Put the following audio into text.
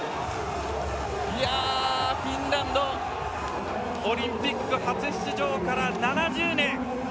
フィンランドオリンピック初出場から７０年。